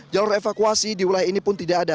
jalur evakuasi di wilayah ini pun tidak ada